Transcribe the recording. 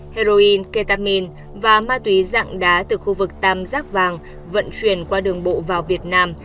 heroin ketamin và ma túy dạng đá từ khu vực tam giác vàng vận chuyển qua đường bộ vào việt nam